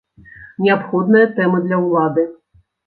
Неабходныя тэмы для ўлады.